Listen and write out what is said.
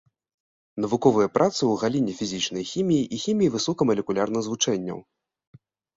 Навуковыя працы ў галіне фізічнай хіміі і хіміі высокамалекулярных злучэнняў.